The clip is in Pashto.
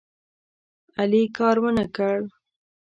علي کار ونه کړ.